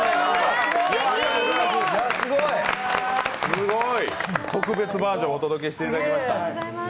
すごい、特別バージョンをお届けしていただきました。